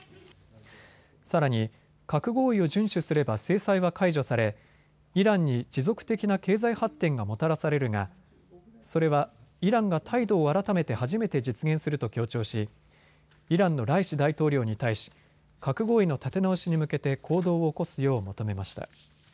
さらに、核合意を順守すれば制裁は解除されイランに持続的な経済発展がもたらされるがそれはイランが態度を改めて初めて実現すると強調し、イランのライシ大統領に対し核合意の立て直しに向けて行動を起こすよう求めました。